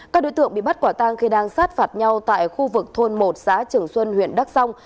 các đối tượng bị bắt quả tang khi đang sát phạt nhau tại khu vực thôn một xã trường xuân huyện đắc song